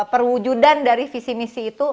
perwujudan dari visi misi itu